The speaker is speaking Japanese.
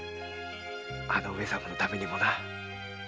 あの上様のためにもな。